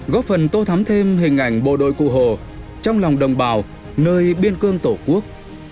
góp phần tô thắm thêm hình ảnh bộ đội cụ hồ trong lòng đồng bào nơi biên cương tổ quốc